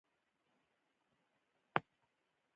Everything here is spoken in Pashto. وحي نزول زمان نژدې والی توفیق موندلي.